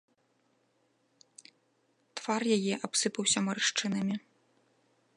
Твар яе абсыпаўся маршчынамі.